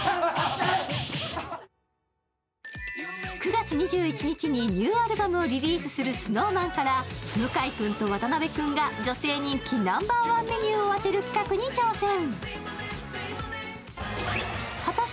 ９月２１日にニューアルバムをリリースするＳｎｏｗＭａｎから、向井君と渡辺君が女性人気ナンバー１メニューを当てる企画に挑戦。